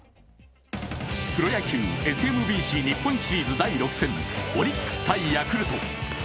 プロ野球ＳＭＢＣ日本シリーズ第６戦、オリックス×ヤクルト。